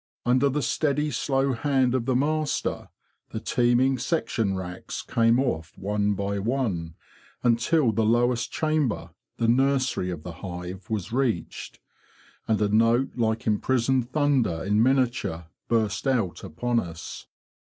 Under the steady slow hand of the master, the teeming section racks came off one by one, until the lowest chamber—the nursery of the hive—was reached, and a note like imprisoned thunder in miniature burst out upon us.